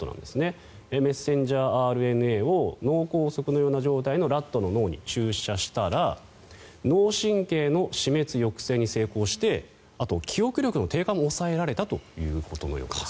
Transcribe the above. メッセンジャーＲＮＡを脳梗塞のような状態のラットの脳に注射したら脳神経の死滅抑制に成功してあと、記憶力の低下も抑えられたということのようです。